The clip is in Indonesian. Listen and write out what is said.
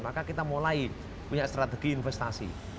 maka kita mulai punya strategi investasi